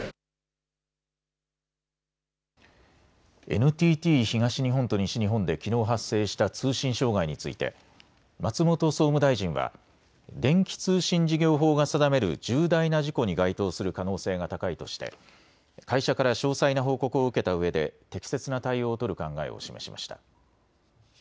ＮＴＴ東日本と西日本できのう発生した通信障害について松本総務大臣は電気通信事業法が定める重大な事故に該当する可能性が高いとして会社から詳細な報告を受けたうえで適切な対応を取る考えを示しました。